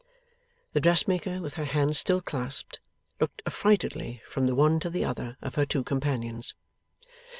The dressmaker, with her hands still clasped, looked affrightedly from the one to the other of her two companions.